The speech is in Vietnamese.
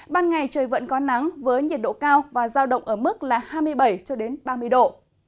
ban ngày trời vẫn có nắng với nhiệt độ cao và giao động ở mức là hai mươi bảy ba mươi độ